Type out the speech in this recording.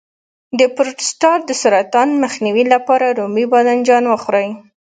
د پروستات د سرطان مخنیوي لپاره رومي بانجان وخورئ